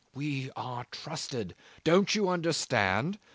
We are trusted. Do you understand?